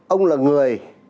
ông là người